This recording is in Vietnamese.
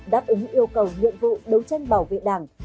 đáp ứng yêu cầu nhiệm vụ đấu tranh bảo vệ đảng